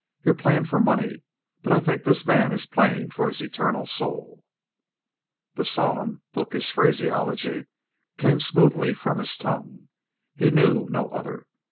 You're playing for money, but I think this man is playing for his eternal soul." The solemn, bookish phraseology came smoothly from his tongue. He knew no other.